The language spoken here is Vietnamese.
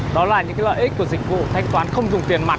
đó là những lợi ích của dịch vụ thanh toán không dùng tiền mặt